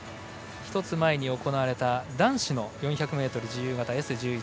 １つ前に行われた男子の４００ｍ自由形Ｓ１１。